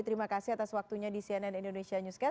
terima kasih atas waktunya di cnn indonesia newscast